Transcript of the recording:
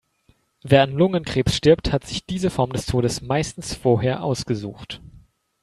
Wer an Lungenkrebs stirbt, hat sich diese Form des Todes meistens vorher ausgesucht.